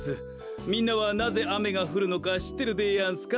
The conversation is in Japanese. みんなはなぜあめがふるのかしってるでやんすか？